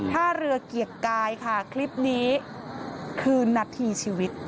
ท่าเรือเกียรติกายค่ะคลิปนี้คือนาทีชีวิต